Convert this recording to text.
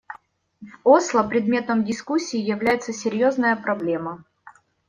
В Осло предметом дискуссии является серьезная проблема.